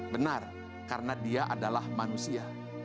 benar karena dia adalah manusia